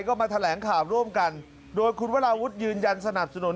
ก็มาแถลงข่าวร่วมกันโดยคุณวราวุฒิยืนยันสนับสนุน